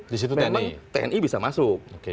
di situ memang tni bisa masuk